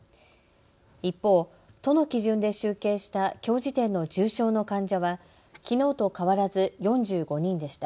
一方、都の基準で集計したきょう時点の重症の患者はきのうと変わらず４５人でした。